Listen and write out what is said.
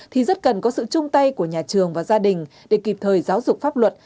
thì rất cần có sự chung tay của nhà trường và gia đình để kịp thời giáo dục pháp luật